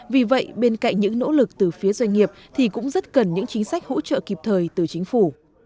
vì vậy bên cạnh những nỗ lực từ phía doanh nghiệp thì cũng rất cần những chính sách hỗ trợ kịp thời từ chính phủ